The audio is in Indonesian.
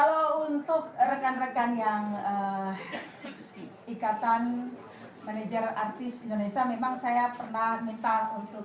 kalau untuk rekan rekan yang ikatan manajer artis indonesia memang saya pernah minta untuk